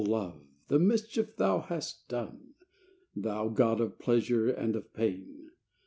LOVE ! the mischief thou hast done ! Thou god of pleasure and of pain